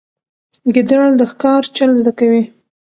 ګیدړ د ښکار چل زده کوي.